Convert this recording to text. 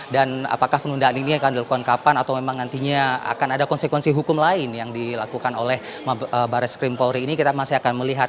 dan apakah penundaan ini akan dilakukan kapan atau memang nantinya akan ada konsekuensi hukum lain yang dilakukan oleh bareskrim polri ini kita masih akan melihat